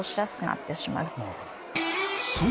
そう！